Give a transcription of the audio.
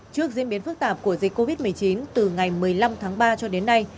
trước diễn biến phức tạp của dịch covid một mươi chín từ ngày một mươi năm tháng ba cho đến nay